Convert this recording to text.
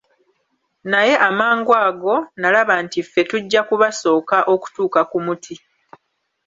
Naye amangu ago n'alaba nti ffe tujja kubasooka okutuuka ku muti.